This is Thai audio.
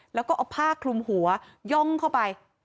แล้วก็เอาผ้าคลุมหัวย่องเข้าไป